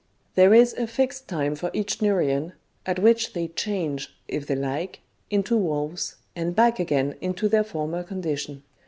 ii. c. 1) :" There is a fixed time for each Neurian, at which they change, if they like, into wolves, and back again into their former condition."